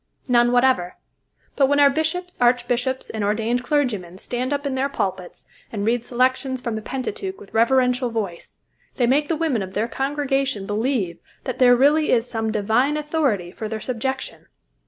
None whatever. But when our bishops, archbishops, and ordained clergymen stand up in their pulpits and read selections from the Pentateuch with reverential voice, they make the women of their congregation believe that there really is some divine authority for their subjection.